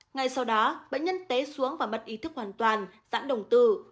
ngay sau đó bệnh nhân té xuống và mất ý thức hoàn toàn giãn đồng từ